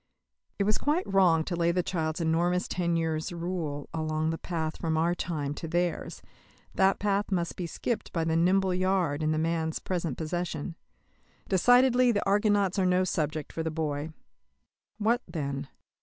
It was quite wrong to lay the child's enormous ten years' rule along the path from our time to theirs; that path must be skipped by the nimble yard in the man's present possession. Decidedly the Argonauts are no subject for the boy. What, then?